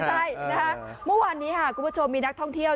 ไม่ใช่นะคะมุมวันนี้ครับกลุ่มกันชมมีนักท่องเที่ยว